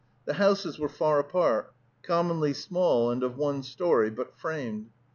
The houses were far apart, commonly small and of one story, but framed.